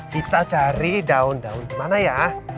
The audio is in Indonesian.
kita cari daun daun gimana ya